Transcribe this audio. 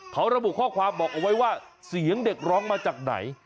เขาระบุข้อความบอกเอาไว้ว่าเสียงเด็กร้องมาจากไหน